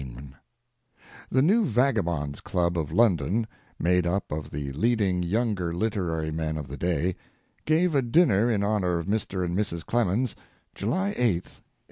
THEORETICAL MORALS The New Vagabonds Club of London, made up of the leading younger literary men of the day, gave a dinner in honor of Mr. and Mrs. Clemens, July 8, 1899.